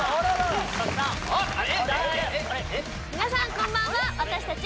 皆さんこんばんは私たち